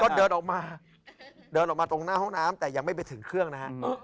ก็เดินออกมาเดินออกมาตรงหน้าห้องน้ำแต่ยังไม่ไปถึงเครื่องนะฮะ